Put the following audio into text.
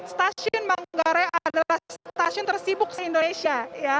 stasiun manggarai adalah stasiun tersibuk di indonesia